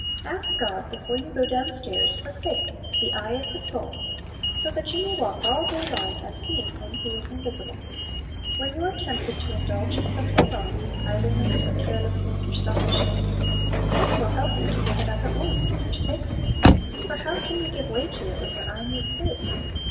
Ask God, before you go down stairs, for faith, "the eye of the soul," so that you may walk all day long "as seeing Him who is invisible." When you are tempted to indulge in something wrong, idleness or carelessness, or selfishness, this will help you to give it up at once, and forsake it; for how can you give way to it when your eye meets His?